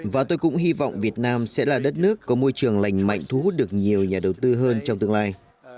và tôi cũng hy vọng việt nam sẽ là đất nước có môi trường lành mạnh thu hút được nhiều nhà đầu tư hơn trong tương lai